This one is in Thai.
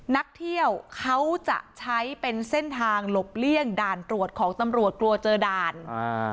นักเที่ยวเขาจะใช้เป็นเส้นทางหลบเลี่ยงด่านตรวจของตำรวจกลัวเจอด่านอ่า